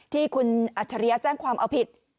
ที่คุณอัชฌาเลียแจ้งความเอาผิด